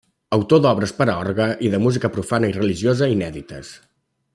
Autor d'obres per a orgue i de música profana i religiosa, inèdites.